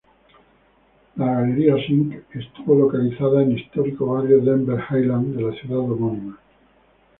La Galería Sink estuvo localizada en histórico barrio Denver Highland de la ciudad homónima.